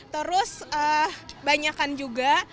terus banyakan juga